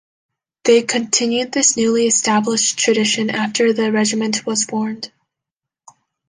They continued this newly established tradition after the Regiment was formed.